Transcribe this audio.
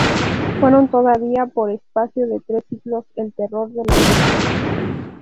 Fueron todavía por espacio de tres siglos el terror de los musulmanes.